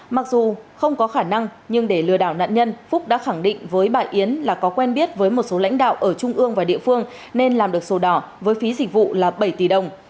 mặc dù không có khả năng nhưng để lừa đảo nạn nhân phúc đã khẳng định với bà yến là có quen biết với một số lãnh đạo ở trung ương và địa phương nên làm được sổ đỏ với phí dịch vụ là bảy tỷ đồng